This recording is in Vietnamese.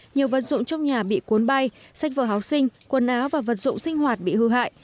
nhiều vật dụng trong nhà bị cuốn bay sách vở háo sinh quần áo và vật dụng sinh hoạt bị hư hại